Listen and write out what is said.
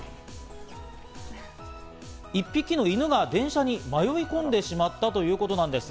１匹の犬が電車で迷い込んでしまったということなんです。